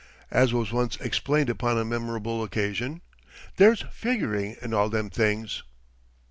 As was once explained upon a memorable occasion: "There's figuring in all them things."